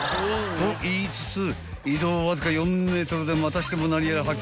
［と言いつつ移動わずか４ｍでまたしても何やら発見］